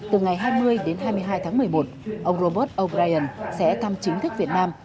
từ ngày hai mươi đến hai mươi hai tháng một mươi một ông robert o brien sẽ thăm chính thức việt nam